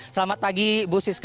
selamat pagi bu siska